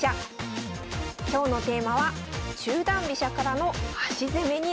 今日のテーマは中段飛車からの端攻めになります